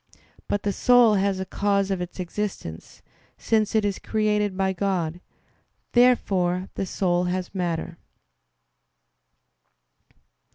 But the soul has a cause of its existence, since it is created by God. Therefore the soul has matter.